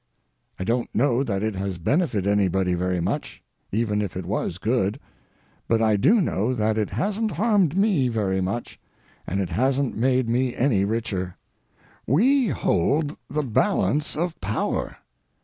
I don't know that it has benefited anybody very much, even if it was good; but I do know that it hasn't harmed me very much, and is hasn't made me any richer. We hold the balance of power.